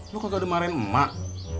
lo kagak ada marahin emak